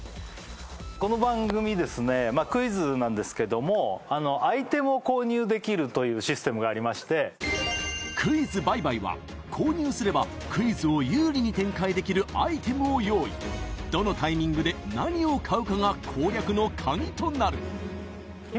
この番組ですねまあクイズなんですけどもアイテムを購入できるというシステムがありまして「クイズ！倍買」は購入すればクイズを有利に展開できるアイテムを用意どのタイミングで何を買うかが攻略の鍵となる